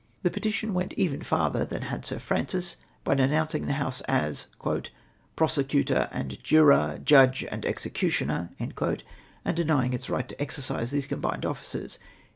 The petition went e\'en farther than had Sir Francis, l)y denouncing the House as " prosecutor and juror, judge and executioner," find denying its right to exer cise these combined offices.